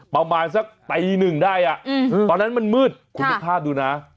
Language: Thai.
ประมาณสักตีหนึ่งได้ตอนนั้นมันมืดคุณนึกภาพดูนะ